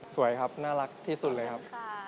สวยครับน่ารักที่สุดเลยครับ